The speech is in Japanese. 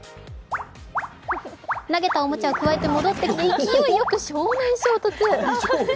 投げたおもちゃくわえて戻ってきて、勢いよく正面衝突。